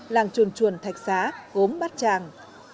làng chuồn chuồn thạch xá gốm bát tràng